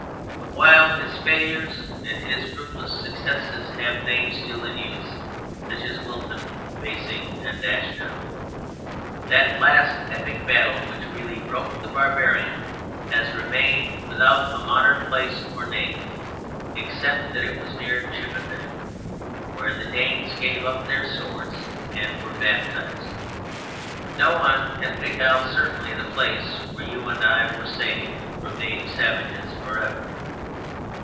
But while his failures and his fruitless successes have names still in use (such as Wilton, Basing, and Ashdown), that last epic battle which really broke the barbarian has remained without a modern place or name. Except that it was near Chippenham, where the Danes gave up their swords and were baptized, no one can pick out certainly the place where you and I were saved from being savages for ever.